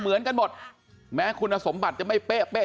ดูท่าทางฝ่ายภรรยาหลวงประธานบริษัทจะมีความสุขที่สุดเลยนะเนี่ย